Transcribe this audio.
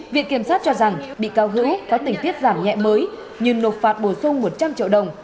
viện kiểm sát cho rằng bị cáo hữu có tình tiết giảm nhẹ mới nhưng nộp phạt bổ sung một trăm linh triệu đồng